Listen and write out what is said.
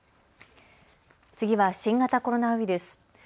次は新型コロナウイルス。